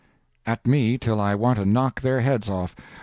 at me till I want to knock their heads off.